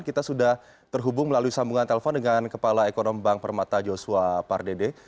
kita sudah terhubung melalui sambungan telepon dengan kepala ekonomi bank permata joshua pardede